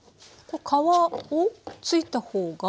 皮をついたほうが？